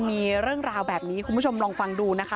มีเรื่องราวแบบนี้คุณผู้ชมลองฟังดูนะคะ